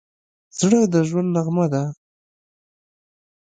زړه د ژوند نغمه ده.